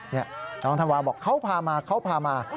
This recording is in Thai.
นี่น้องธันวาบอกเขาพามาเขาพามา